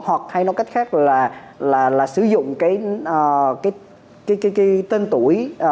hoặc hay nói cách khác là sử dụng cái tên tuổi